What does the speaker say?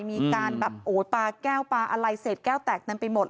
มีการแบบโอ๊ยปลาแก้วปลาอะไรเสร็จแก้วแตกนั้นไปหมด